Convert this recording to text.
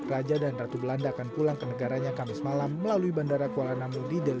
raja dan ratu belanda akan pulang ke negaranya kamis malam melalui bandara kuala namudi